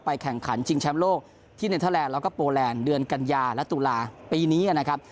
แข่งขันชิงแชมป์โลกที่เนเทอร์แลนด์แล้วก็โปแลนด์เดือนกัญญาและตุลาปีนี้นะครับ